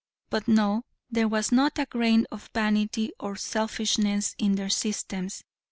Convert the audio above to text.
But no, there was not a grain of vanity or selfishness in their systems.